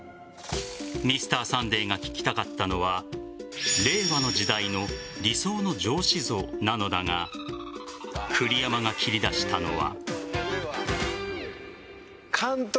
「Ｍｒ．サンデー」が聞きたかったのは令和の時代の理想の上司像なのだが栗山が切り出したのは。